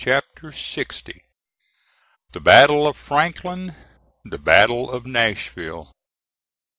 CHAPTER LX. THE BATTLE OF FRANKLIN THE BATTLE OF NASHVILLE.